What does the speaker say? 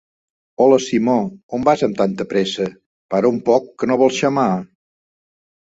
Hola Simó; on vas amb tanta pressa? Para un poc, que no vols xamar?